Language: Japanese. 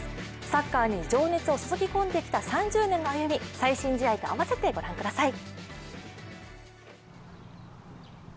サッカーに情熱を注ぎ込んできた３０年の歩み、最新試合と合わせて、ご覧ください。